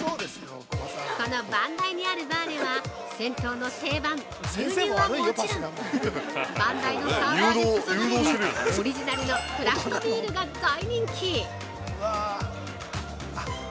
◆この番台にあるバーでは、銭湯の定番、牛乳はもちろん、番台のサーバーで注がれるオリジナルのクラフトビールが大人気！